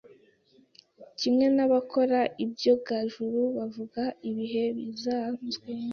kimwe n’abakora ibyogajuru bavuga ibihe bisanzwe